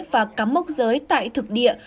và cắm mốc giới tại thực địa